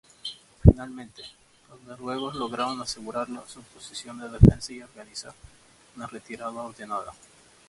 Finalmente, los noruegos lograron asegurar su posición de defensa y organizar una retirada ordenada.